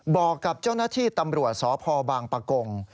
บอกกับเจ้าหน้าที่ตำรวจสพบางปะกง